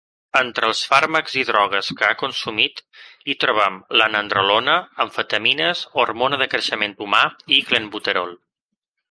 Entre els fàrmacs i drogues que ha consumit hi trobem la nandrolona, amfetamines, hormona de creixement humà i Clenbuterol.